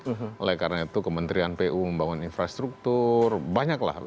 oleh karena itu kementerian pu pembangunan infrastruktur banyak lah